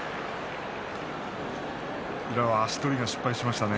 宇良は足取りが失敗しましたね。